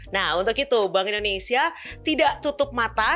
nah untuk itu bank indonesia tidak tutup mata